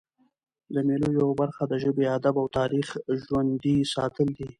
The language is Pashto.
د مېلو یوه برخه د ژبي، ادب او تاریخ ژوندي ساتل دي.